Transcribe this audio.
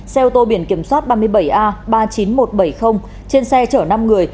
xe ô tô biển kiểm soát ba mươi bảy a ba mươi chín nghìn một trăm bảy mươi trên xe chở năm người